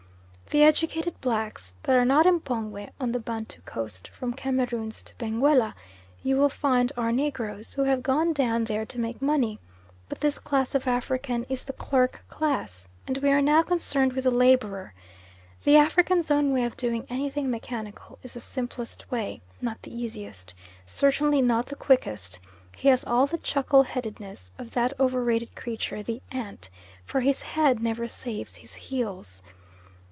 The educated blacks that are not M'pongwe on the Bantu coast (from Cameroons to Benguela), you will find are Negroes, who have gone down there to make money, but this class of African is the clerk class, and we are now concerned with the labourer. The African's own way of doing anything mechanical is the simplest way, not the easiest, certainly not the quickest: he has all the chuckle headedness of that overrated creature the ant, for his head never saves his heels.